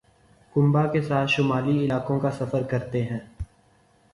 کنبہ کے ساتھ شمالی علاقوں کا سفر کرتے ہیں